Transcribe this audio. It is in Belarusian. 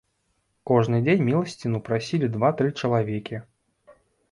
Кожны дзень міласціну прасілі два-тры чалавекі.